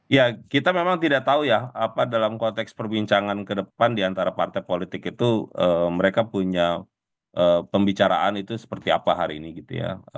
ya kita memang tidak tahu ya apa dalam konteks perbincangan ke depan diantara partai politik itu mereka punya pembicaraan itu seperti apa hari ini gitu ya